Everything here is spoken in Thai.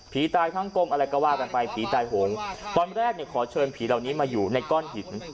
ตายทั้งกลมอะไรก็ว่ากันไปผีตายโหงตอนแรกเนี่ยขอเชิญผีเหล่านี้มาอยู่ในก้อนหิน